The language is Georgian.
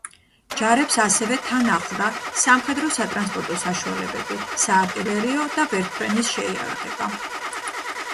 ჯარებს ასევე თან ახლდა სამხედრო სატრანსპორტო საშუალებები, საარტილერიო და ვერტმფრენის შეიარაღება.